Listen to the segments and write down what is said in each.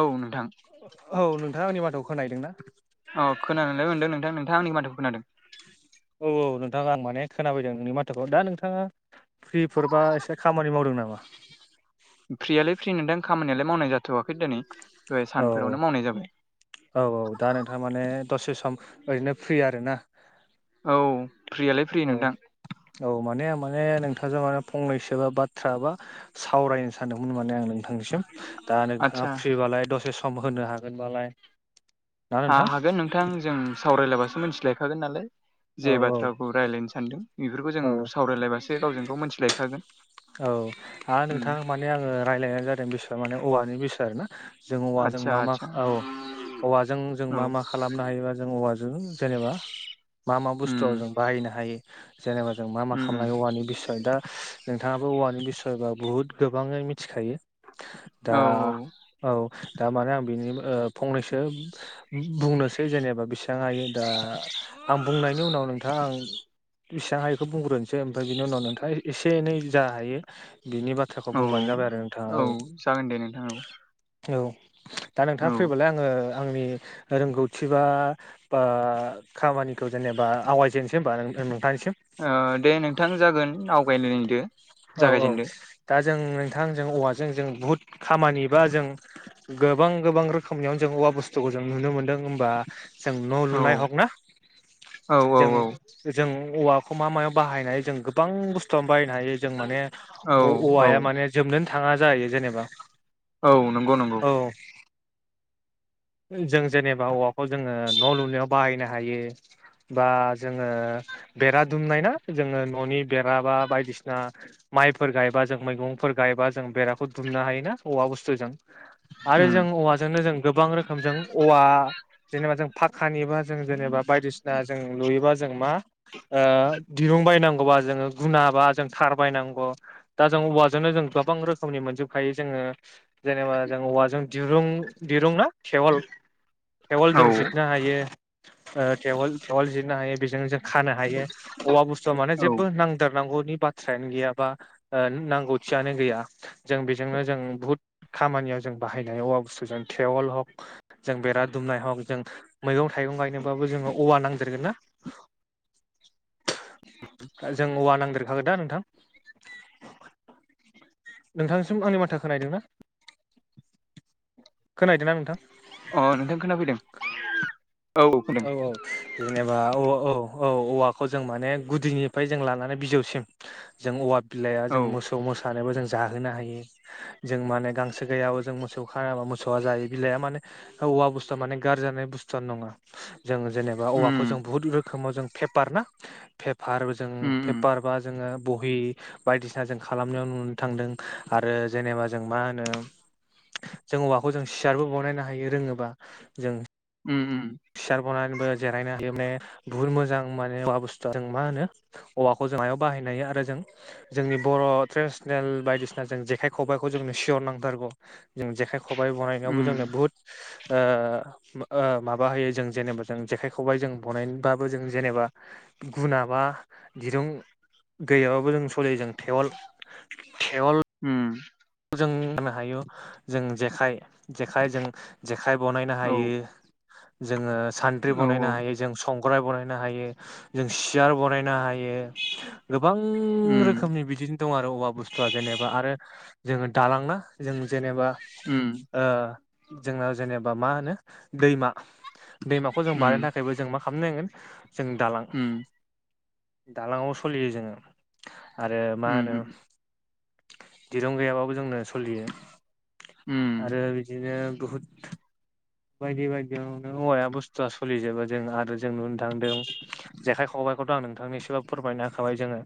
औ नोंथां औ नोंथांआ आंनि माथोखौ खोनाहैदों ना औ खोनानोलाय मोनदों नोंथां नोंथांआ आंनि माथोखौ खोनादों औ-औ नोंथाङा आं माने खोनाफैदों नोंनि माथोखौ दा नोंथांआ फ्रि फोरबा एसे खामानि मावदों नामा फ्रिआलाय फ्रि नोंथां खामानियालाय मावनाय जाथ'वाखै दोनै दहाय औ सानफोरावनो मावनाय जाबाय औ औ दा नोंथां माने दसे सम ओरैनो फ्रि आरोना औ फ्रिआलाय फ्रि औ नोंथां औ माने माने नोंथांजों माने फंनैसो बा बाथ्रा बा सावरायनो सानदोंमोन माने आं नोंथांनिसिम दा नोंथांआ आदसा फ्रिबालाय दसे सम होनो हागोनबालाय ना हा नोंथां हागोन नोंथां जों सावरायलाायबासो मोनथिलायखागोन नालाय औ जे औ बाथ्राखौ रायज्लायनो सानदों इफोरखौ जों औ सावरायलायबासो गावजों गाव मोनथिलायखागोन औ दा उम नोंथां माने आङो राय्लायनाय जादों बिसय माने औवानि बिसय आरो ना जों औवाजों आदसा मा मा आदसा औ औवाजों जों औ मा मा खालामनो हायोबा जों औवाजों जेनोबा मा मा बुस्थुआव उम जों बाहायनो हायो जेनोबा जों मा मा उम उम खालामलाङो औवानि बिसय दा नोंथाङाबो औवानि बिसयबा बुहुत गोबाङै मिथिखायो दा औ औ दा माने आं बेनि ओ फंनैसो ना बुंनोसै जेनेबा बेसेबां हायो दा आं बुंनायनि उनाव नोंथाङा आं बिसिबां हायोखौ बुंग्रोनोसै ओमफ्राय बिनि उनाव नोंथाङा एसे एनै जा हायो बिनि बाथ्राखौ औ बुंबानो जाबाय आरो नोंथाङा औ जागोन दे नोंथां औ औ। दा नोंथां औ फ्रिबालाय आङो आंनि रोंगौथि बा आ खामानिखौ जेनेबा आवायजेननोसै होमबा नोंथांनिसिम ओ दे नोंथां जागोन आवगायलायदो औ‌ औ जागायजेनदो दा जों नोंथां जों औवाजों जों बुहुद खामानि बा जों गोबां गोबां रोखोमनिआव जों औवा बुस्थुखौ जों नुनो मोन्दों होमबा जों न' औ लुनाय ह'क ना औ औ जों औ जों औवाखौ मा मायाव बाहायनाय जों गोबां बुस्थुवनो बाहायनो हायो जों माने औ औ औवाया माने जोबनोनो थाङा जाहैयो जेनोबा औ नंगौ नंगौ औ जों जेनोबा औवाखौ जोङो न' लुनायाव बाहायनो हायो बा जोङो बेरा दुमनाय ना जोङो न'नि बेरा बा बायदिसि आ माइफोर गायबा जों मैगंफोर गायबा जों बेराखौ दुमनो हायोना औवा बुस्थुजों आरो उम जों औवाजोंनो जों गोबां रोखोमजों अवा जेनेबा जों पाखानिबा जों जेनेबा बायदिसिना जों लुयोबा जों मा ओ दिरुं बायनांगौबा जोङो गुना बा जों खारबायनांगौ दा जों औवाजोंनो जों गोबां रोखोमनि मोनजोबखायो जोङो जेनेबा जों औवाजों दिरुं दिरुं ना टेवल टेवल औ जों जिरनो हायो ओ टेवल जिरनो हायो बेजों जों खानो हायो औवा बुस्थुआ माने औ जेबो नांदारनांगौनि बा थ्रायानो गैयाबा ओ नांगौथियानो गैया जों बेजोंनो जों बुहुत खामानियाव जों बाहायनाय औवा बुस्थु जों टेवल हक जों बेरा दुमनाय हग जों मैगं थाइगं गायनोबाबो जों औवा नांदेरगोन ना जों औवा नांदेरखागोन दा नोंथां नोंथांसिम आंनिमाथोया खोनाहैदों ना खोनदों हैदोंना नोंथां? अ नोंथां खोनाफैदों औ औ जेनेबा औ औ औवाखौ जों माने गुदिनिफ्राय जों लानानै बिजौसिम जों औवा बिलाइआ औ जों मोसौ मोसानोबो जों जाहोनो हायो जों माने गांसो गैयाबाबो जों मोसौ खाराबा मोसौआ जायो बिलाइआ माने औवा बुस्थु माने गारजानाय बुस्थुआनो नङा जों जेनेबा औवाखौ जों उम बुहुत रोखोमाव जों पेपार ना पेपार जों उम पेपार बा जोङो बहि बायदिसिना जों खालामनायाव नुनो थांदों आरो जेनेबा जों मा होनो जों औवाखौ जों सियारबो बावनायनो हायो रोङोबा जों उम उम सियार बनायनोबो जिरायनो हायो माने बुहुत मोजां माने बुस्थुजों मा होनो औवाखौ जों आयाव बाहायनो हायो आरो जों जोंनि बर' ट्रेडिसनेल बायदिसिना जों जेखाय खबाइखौ जोंनो सिगाङावनो नांथारगौ जों जेखाय खबाइ बनायनायावबो जोंनो उम बुहुथ ओ मा ओ माबा होयो जों जेनेबा जों जेखाइ खबाइ जों बनायनोबाबो जों जेनेबा गुुना बा दिरुं गैयाबाबो जों सलियो जों थेवल थेवल ओम जों होनो हायो जों जेखाइ जेखाइ जों जेखाइ बनायनो औ हायो, जोङो सान्द्रि औ बनायनो औ हायो। जों संग्राय बानायनो हायो, जों सियार बानायनो हायो गोबां उम रोखोमनि बिदिनो दं आरो औवा बुस्थुआ जेनेबा आरो जोङो दालांना जों जेनेबा उम ओ जोंनाव जेनेबा मा होनो दैमा दैमाखौ जों उम बानायनो थाखायबो जों मा खालामनो नांगोन जों दालां उम दालाङाव सलियो जोङो आरो मा होनो उम दं गैयाबाबो जोंनो सोलियो उम आरो बिदिनो बहुद बायदि बायदियावनो औवाया बुस्थुआ सोलिजोबो जों आरो जों नुनो थांदों जेखाइ खबायखौ थ' आं नोंथांनो एसेबाबो फोरमायना होखाबाय जोङो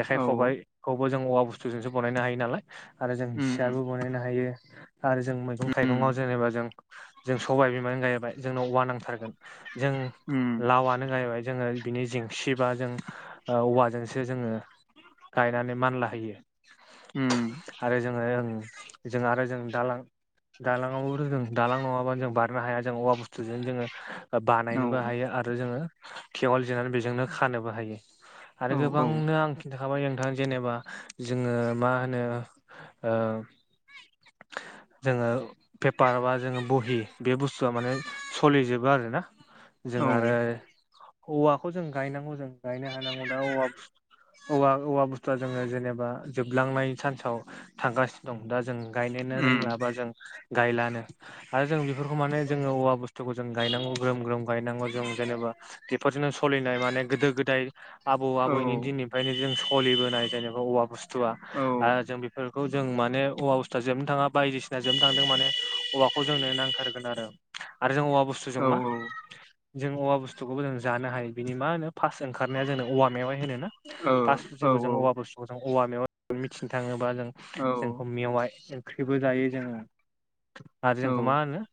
जेखाइ औ खबाइखौबो जों औवा बुस्थुजोंसो बनायनो हायो नालाय आरो जों उम सियारबो बनायनो हायो आरो जों मैगं उम थाइगङाव जेनेबा जों जों सबाय बिमानो गायबाय जोंनाव औवा नांथारगोन जों उम लावानो गायबाय जोङो बिनि जेंसि बा जों औवाजोंसो जोङो गायनानै मानला होयो उम आरो जोङो ओं जों आरो जों दालां दालां आवबोथ' जों दालां नङाबा जों बा नो हाया जों औवा बुस्थुजों जोङो औ बानायनोबो हायो आरो जोङो थेवल जिरनानै बेजोंनो खानोबो हायो आरो औ औ गोबांनो आं थाबाय नोंथां जेनेबा जोङो मा होनो ओ जोङो पेपार बा जोङो बहि बे बुस्थुआ माने सलिजोबो आरोना जों औ आरो औवाखौ जों गायनांगौ जों गायनो हानांगौ दा औवा। औवा औवा बुस्थुआ जोङो जेनेबा जोबलांनाय सान्साव थांगासिनो दं दा जों गायनोनो उम रोंला बा जों गायलानो आरो जों बेफोरखौ माने जोङो औवा बुस्थुखौ जों गायनांगौ ग्रोम ग्रोम गायनांगौ जों जेनेबा बेफोरजोंनो सोलिनाय माने गोदो गोदाय आबौ औ आबैनि दिननिफ्रायनो जों सलिबोनाय जेनेबा औवा बुस्थुआ औ आ जों बेखौ जों माने औवा बस्थुआ जोबनो थाङा बायदिसिना जोबनो थांदों माने औवा खौ जोंनो नांथारगोन आरो आरो जों औवा बुस्थु जों औ मा जों औवा बुस्थुखौबो जों जानो हायो बिनि मा होनो फास्ट ओंनाय जोंङो औवा मेवाय होनो ना फास्ट औ जेबो जों औवा बस्थु जों औवा मेवाय मिथिनो थाङोबा जों औ जोंखौ मेवाइ ओंख्रिबो जायो जोङो। आरो औ जोंखौ मा होनो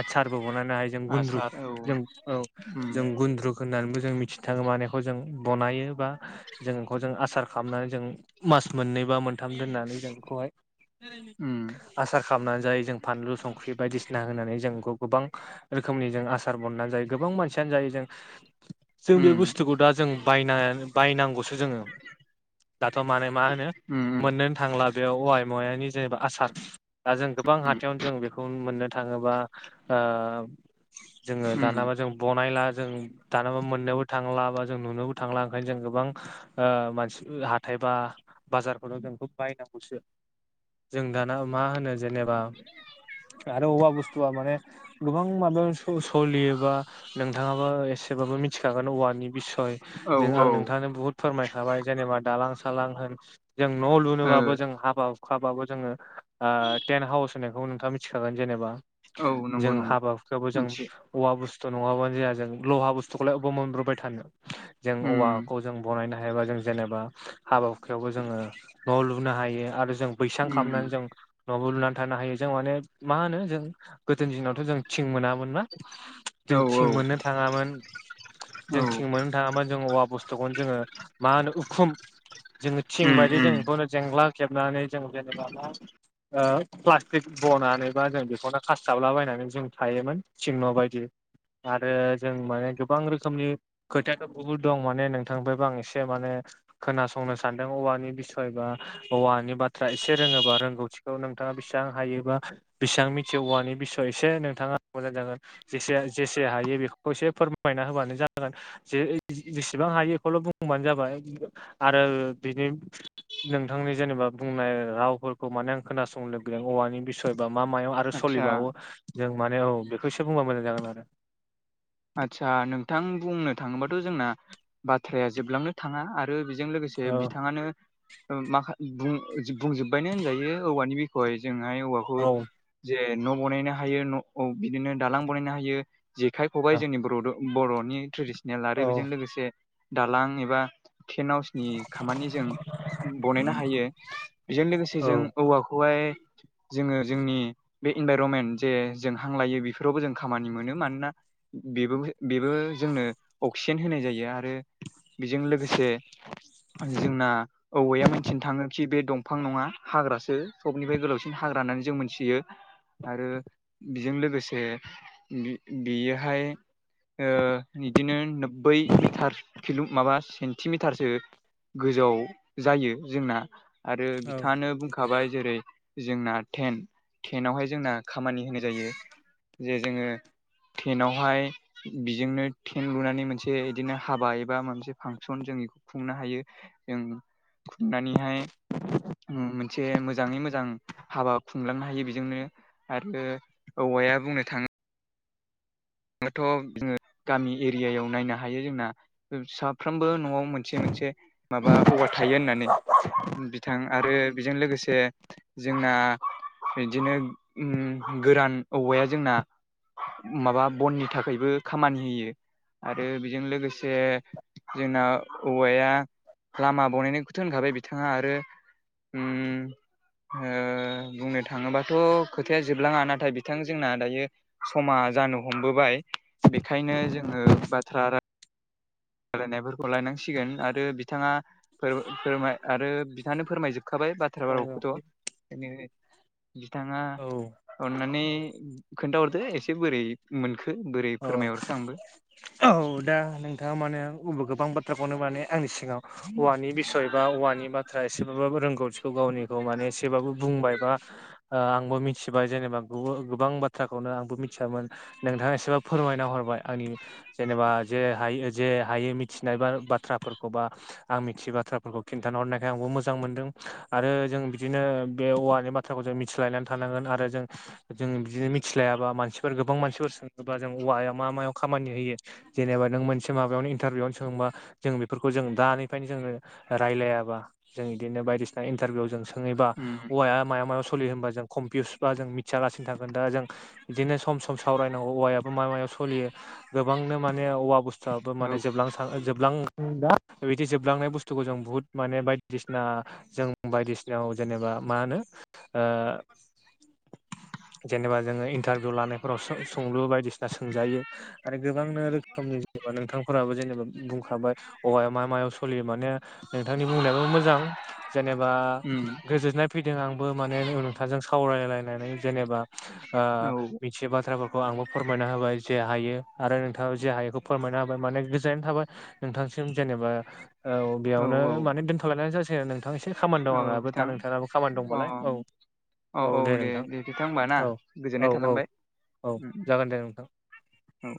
आसचारबो बानायनो हायो जों गुन्द्रुक आसार औ जों औ उम जों गुन्द्रुक होननानैबो जों मिथिनो थाङो माने खौ जों बनायो बा जों बेखौ जों आसार खालामनानै जों मास मोननै बा मोनथाम दोननानै जों बेखौहाय उम आसार खालामनानै जायो जों फानलु संख्रि बायदिसिना होनानै जोंखौ गोबां रोखोमनि जों आसार बननानै जायो गोबां मानसियानो जायो जों जों बे उम बुस्थुखौ दा जों बायना बायनांगौसो जों दाथ' माने मा होनो उम मोननो थांला बेयाव औवाय मवानि जेनेबा आसार दा जों गोबां हा थायावनो जों बेखौ मोननो थाङोबा ओ जोङो उम दानाबा जों बनायला जों दानाबा मोननोबो थांला बा जों नुनोबो थांला ओंखायनो जों गोबां ओ मानसि हाथाय बा बाजारफोराव जों बेखौ बायनांगौसो जों दाना मा होनो जेनेबा आरो अबेबा बुस्थुआ माने गोबां माबायाव स सलियोबा नोंथाङाबो एसे सोरबाबो मिथिखागोन औवानि बिसय औ जे औ आं नोंथाङानो बहुत फोरमायखाबाय जेनेबा दालां सालां होन जों न' ओ लुनोबाबो जों हाबा अखाबाबो जोंङोओ टेन हाउस होनायखौ नोंथाङा मिथिखागोन जेनेबा औ नंगौ जों नंगौ हाबाफोरखौबो जों मोनथियो औवा बुस्थु नङाबानो जाया जों लहा बुस्थुखौलाय अबाव मोनब्रबबाय थानो जों उम औवाखौ जों बनायनो हायोबा जों जेनेबा हाबा हुखायावबो जोंङो न' लुनो हायो आरो जों बैसां उम खालामनानै जों न'बो लुनानै थानो हायो जों माने मा होनो जों गोदोनि दिनावथ' जों थिं मोनामोन। मा औ जों औ थिं मोन्नो थाङामोन औ जों थिं मोन्नो थाङामोन जों औवा बुस्थुखौनो जोङो मा होनो उखुम जोङो थिं उम बायदि जों उम बेखौनो जेंग्ला खेबनानै जों जेनेबा मा ओ प्लास्टिक बनानै बा जों बेखौनो खास्थाबलाबायनानै जों थायोमोन थिं न' बायदि। आरो जों माने गोबां रोखोमनि खोथायाथ' बुहुद दं माने नोंथां ओमफ्रायबो आं एसे माने खोनासंनो सानदों औवानि बिसय बा औवानि बाथ्रा एसे रोङोबा रोंगौथिखौ नों नोंथाङा बेसेबां हायोबा बेसेबां मिथियो औवानि बिस'य एसे नोंथाङा मोजां जागोन। जेसे जेसे हायो बेखौ एसे फोरमायना होबानो जागोन। जे बिसेबां हायो बेखौल' बुंबानो जाबाय आरो बिनि नोंथांनि जेनेबा बुंनाय रावफोरखौ माने आं खोनास स लोगो औवानि बिसयबा मा मायाव आरो आदसा सोलिबावो जों माने औ बेखौ एसे बुंबा मोजां जागोन आरो। आदसा नोंथां बुंनो थाङोबाथ' जोंना बाथ्राया जोबलांनो थाङा आरो बेजों लोगोसे जे औ बिथाङानो माखा बुं बुंजोबबायनो होनजायो औवानि बिखय जोंहाय औवाखौ औ जे न' बानायनो हायो न' बिदिनो दालां बानायनो हायो जेखाइ औ खबाइ जोंनि बर' बर'नि ट्रेडिसनेल आरो औ बेजों लोगोसे दालां एबा टेन्ट हाउसनि खामानि जों बनायनो हायो। बेजों लोगोसे जों औ औवाखौहाय जोंङो जोंनि बे इनभाइरमेन्ट जे जों हांलायो बेफोरावबो जों खामानि मोनो मानोना बेबो बेबो जोंनो अक्सिजेन होनाय जायो आरो बेजों लोगोसे जोंना औवाया मोनथिनो थाङो खि बे दंफां नङा हाग्रासो सबनिफ्राय गोलावसिन हाग्रा होननानै जों मोनथियो। आरो बेजों लोगोसे बे बेयोहाय ओ बिदिनो नोब्बै मिटार किल' माबा सेन्टि मिटारसो गोजौआव जायो जोंना आरो औ बिथाङानो बुंखा खाबाय जेरै जोंना टेन्ट टेेनटावहाय जोंना खामानि होनाय जायो। जे जोंङो टेनावहाय बेजोंनो टेन लुनानै मोनसे बिदिनो हाबा एबा मोनसे फांसन जों बेखौ खुंनो हायो। जों खुरनानैहाय मोनसे मोजाङै मोजां हाबा खुंलांनो हायो बेजोंनो। आरो औवाया बुंनो थाङो जथ' जोंङो गामि एरियायाव नायनो हायो जोंना साफ्रोमबो न'आव मोनसे मोनसे माबा औवा थायो होननानै बिथां आरो बेजों लोगोसे जोंना बिदिनो उम गोरान औवाया जोंना माबा बननि थाखायबो खामानि होयो। आरो बेजों लोगोसे जोंना औवाया लामा बनायखौथ' होनखाबाय बिथाङा आरो उम ओ बुंनो थाङोबाथ' खोथाया जोबलाङा नाथाय बिथां जोंना दायो समा जानो हमबोबाय बेखायनो जोंङो बाथ्रा होलानायफोरखौ लायनांसिगोन आरो बिथाङा फोरमाय आरो बिथानो फोरमायजोबखाबाय बाथ्रा बारावखौथ' बेनिखाय बिथाङा अननानै खोन्थाहरदो एसे बोरै मोनखो बोरै फोरमायहरखो आंबो औ दा नोंथाङा माने गोबां बाथ्राखौनो माने आंनि सिगाव औवानि बिसय बा औवानि बाथ्रा एसेबाबो रोंगौथिखौ गावनिखौ माने एसे थेबाबो बुंबाय बा आंबो मिथिबाय जेनेबा गोबां बाथ्राखौनो आंबो मिथियामोन नोंथाङा एसेबा फोरमायना हरबाय आंनि जेनेबा जे हायो जे हायो मिथिनाया बा बाथ्राफोरखौ बा आं मिथियै बाथ्राफोरखौ खिन्थाना हरनायखाय आंबो मोजां मोनदों आरो जों बिदिनो बे औवानि माथ बाथ्राखौ जों मिथिलायनानै थानांगोन आरो जों जों बिदिनो मिथिलायाबा मानसिफोर गोबां मानसिफोर सों बा जों औवाया मा मायाव खामानि होयो जेनेबा नों मोनसे माबायावनो इन्टारभिउआवनो सोंबा जों बेफोरखौ जों दानिफ्रायनो जोंनो रायलायाबा जों बिदिनो बायदिसिना इन्टारभिउ जों स सोङैबा उम औवाया माबायाव सोलियो होनोमबा जों कमपिउस बा जों मिथियालासिनो थागोन दा जों बिदिनो सम सम सावरायनांगौ औवाया मा मायाव सलियो गोबांनो माने औवा बुस्थुआबो औ माने जोबलां जोबलां दा बिदि जोबलांनाय बुस्थुखौ जों बुहुत माने बायदिसिना जों बायदिसिनायाव जेनेबा मा होनो ओ जेनेबा जोङो इन्टारभिउ लानायफोराव सों-सोंलु बायदिसिना सोंजायो। आरो गोबांनो रोखोमनि जेनेबा नोंथांफोराबो जेनेबा बुंखाबाय औवाया मा मायाव सोलियो माने नोंथांनि बुंनायाबो मोजां जेनेबा उम गोजोननाय फैदों आंबो माने नोंथांजों सावरायलायनानै जेनेबा ओ औ मोनसे बाथ्राफोरखौ आंबो फोर फोरमायना होबाय जे हायो आरो नोंथाङा जे हायोखौ फोरमायना होबाय माने गोजोननाय थाबाय। नोंथांसिम जेनेबा औ बेयावनो माने दोनथ'लायनाय जासिगोन नोंथां एसे खामानि औ दं आंहाबो दा नोंथांनाबो खामानि दंबालाय औ। औ औ दे दे नोंथा होमबा ना औ औ गोजोननाय औ थालांबाय। औ जागोन दे नोंथां। औ